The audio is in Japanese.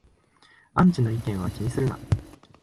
アンチの意見は気にするな